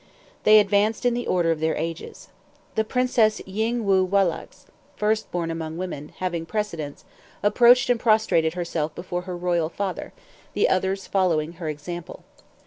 They advanced in the order of their ages. The Princess Ying You Wahlacks ("First born among Women"), having precedence, approached and prostrated herself before her royal father, the others following her example.